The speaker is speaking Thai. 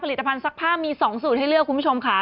ผลิตภัณฑ์ซักผ้ามี๒สูตรให้เลือกคุณผู้ชมค่ะ